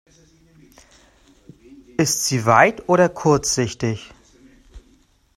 Ist sie weit- oder kurzsichtig?